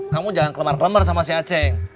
kamu jangan kelemar kelemar sama si aceh